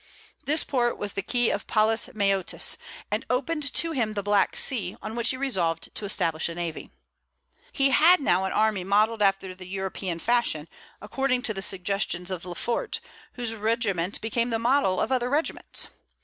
This port was the key of Palus Maeotis, and opened to him the Black Sea, on which he resolved to establish a navy. He had now an army modelled after the European fashion, according to the suggestions of Lefort, whose regiment became the model of other regiments.